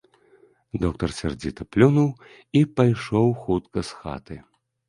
Доктар сярдзіта плюнуў і пайшоў хутка з хаты.